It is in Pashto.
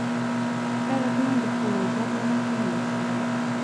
غیرتمند د خپلو عزت له لاسه نه ورکوي